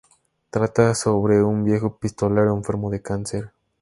Trata sobre un viejo pistolero enfermo de cáncer.